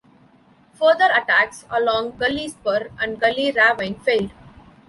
Further attacks along Gully Spur and Gully Ravine failed.